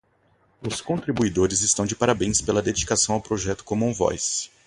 Os contribuidores estão de parabéns pela dedicação ao projeto common voice